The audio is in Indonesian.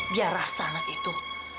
biar rasa anak itu